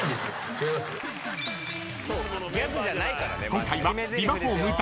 ［今回は］